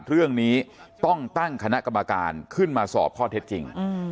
เรื่องนี้ต้องตั้งคณะกรรมการขึ้นมาสอบข้อเท็จจริง